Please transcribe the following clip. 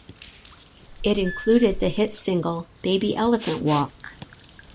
It included the hit single "Baby Elephant Walk".